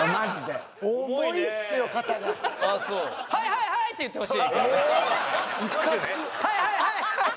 「はいはいはいはい！」。